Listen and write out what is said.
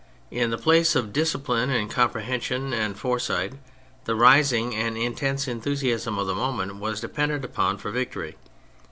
In the place of discipline and comprehension and foresight the rising and intense enthusiasm of the moment was depended upon for victory.